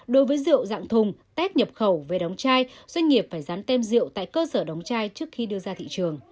đối với rượu dạng thùng test nhập khẩu về đóng chai doanh nghiệp phải dán tem rượu tại cơ sở đóng chai trước khi đưa ra thị trường